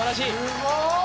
すごい！